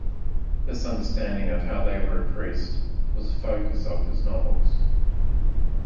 This understanding of how they were oppressed was the focus for his novels.